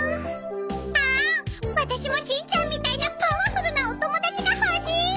あーんワタシもしんちゃんみたいなパワフルなお友達が欲しい！